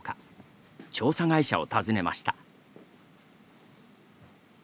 調査会社を訪ねました。